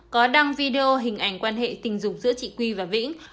có đăng video hình ảnh quan hệ tình dục giữa chị quy và vĩnh